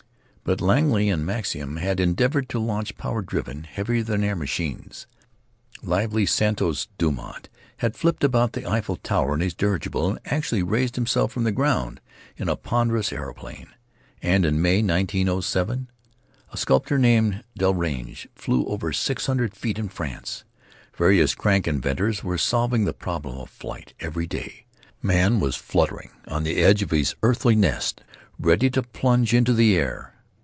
But Langley and Maxim had endeavored to launch power driven, heavier than air machines; lively Santos Dumont had flipped about the Eiffel Tower in his dirigible, and actually raised himself from the ground in a ponderous aeroplane; and in May, 1907, a sculptor named Delagrange flew over six hundred feet in France. Various crank inventors were "solving the problem of flight" every day. Man was fluttering on the edge of his earthy nest, ready to plunge into the air.